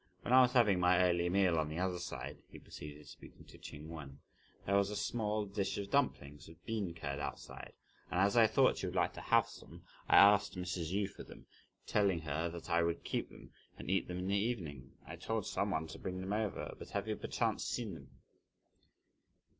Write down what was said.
When I was having my early meal, on the other side," he proceeded, speaking to Ch'ing Wen, "there was a small dish of dumplings, with bean curd outside; and as I thought you would like to have some, I asked Mrs. Yu for them, telling her that I would keep them, and eat them in the evening; I told some one to bring them over, but have you perchance seen them?"